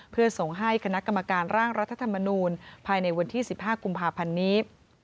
เพื่อส่งให้คณะกรรมการร่างรัฐธรรมนูลภายในวันที่๑๕กุมภาพันธ์นี้